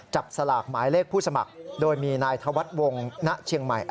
จับสลากหมายเลขผู้สมัครโดยมีนายธวัฒน์วงศณเชียงใหม่